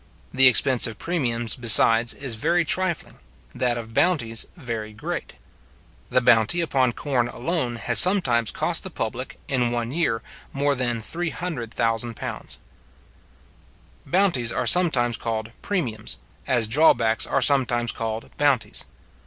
The expense of premiums, besides, is very trifling, that of bounties very great. The bounty upon corn alone has sometimes cost the public, in one year, more than £300,000. Bounties are sometimes called premiums, as drawbacks are sometimes called bounties.